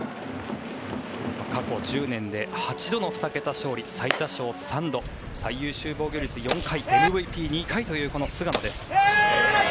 過去１０年で８度の２桁勝利最多勝３度最優秀防御率３回ＭＶＰ２回というこの菅野です。